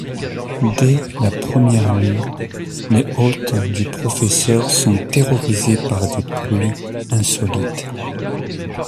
Dès la première nuit, les hôtes du professeur sont terrorisés par des bruits insolites.